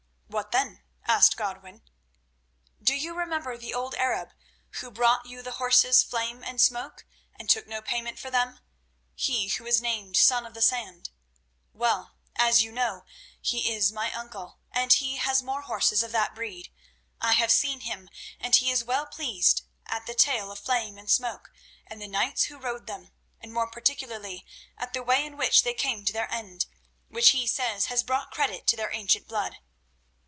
"What then?" asked Godwin. "Do you remember the old Arab who brought you the horses Flame and Smoke, and took no payment for them, he who was named Son of the Sand? Well, as you know, he is my uncle, and he has more horses of that breed. I have seen him, and he is well pleased at the tale of Flame and Smoke and the knights who rode them, and more particularly at the way in which they came to their end, which he says has brought credit to their ancient blood.